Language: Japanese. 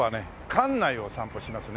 関内を散歩しますね。